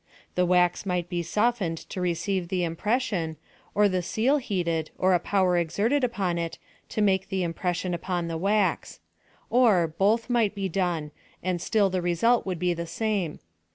The wax might be softened to receive the impression, or the seal heated, or a power exerted U})on it, to make the impression on the wax; or, both might be done, and still the result would be the same.